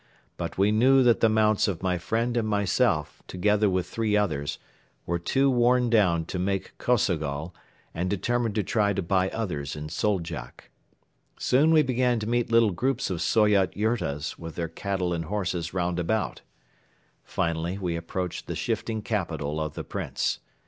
But we knew that the mounts of my friend and myself, together with three others, were too worn down to make Kosogol and determined to try to buy others in Soldjak. Soon we began to meet little groups of Soyot yurtas with their cattle and horses round about. Finally we approached the shifting capital of the Prince.